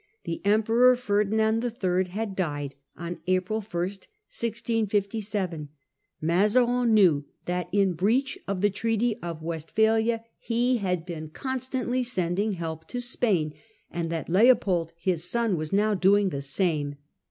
The Emperor Ferdinand III. had died on April I, 1657. Mazarin knew that in breach of the Treaty of Westphalia he had been constantly sending help to Spain, and that Leopold, his son, was now doing the same.